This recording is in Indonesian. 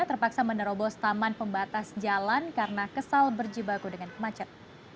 terpaksa menerobos taman pembatas jalan karena kesal berjibaku dengan kemacetan